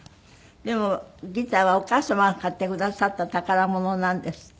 でもギターはお母様が買ってくださった宝物なんですって？